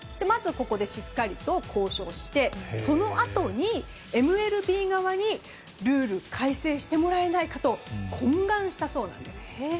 ここでしっかりと交渉してそのあとにＭＬＢ側にルール改正してもらえないかと懇願したそうなんです。